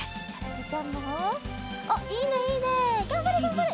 がんばれがんばれ！